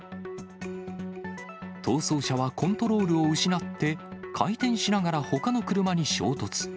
逃走車はコントロールを失って、回転しながらほかの車に衝突。